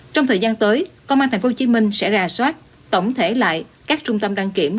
trong thời gian tới công an tp hcm sẽ ra soát tổng thể lại các trung tâm đăng kiểm